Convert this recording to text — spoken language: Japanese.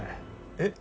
えっ？